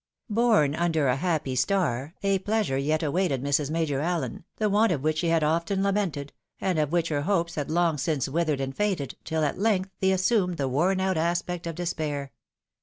Born imder a happy star, a pleasure yet awaited Mrs. Major Allen, the want of which she had often lamented, and of which her hopes had long since withered and faded, till a t length they assumed the worn out aspect of despair.